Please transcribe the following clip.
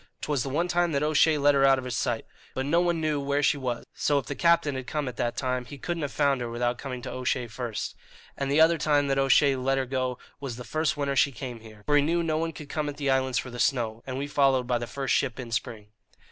'Twas the one time that O'Shea let her out of his sight; but no one knew where she was, so if the Captain had come at that time he couldn't have found her without coming to O'Shea first. And the other time that O'Shea let her go was the first winter she came here, for he knew no one could come at the islands for the snow, and we followed by the first ship in spring."